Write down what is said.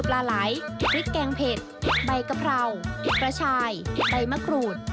ปลาไหลพริกแกงเผ็ดใบกะเพรากระชายใบมะกรูด